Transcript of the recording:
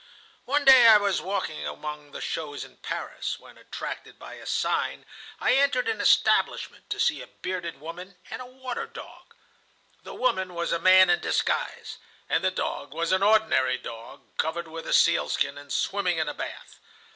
"One day I was walking among the shows in Paris, when, attracted by a sign, I entered an establishment to see a bearded woman and a water dog. The woman was a man in disguise, and the dog was an ordinary dog, covered with a sealskin, and swimming in a bath.